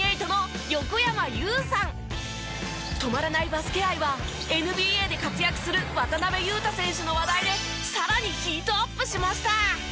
バスケ愛はＮＢＡで活躍する渡邊雄太選手の話題でさらにヒートアップしました。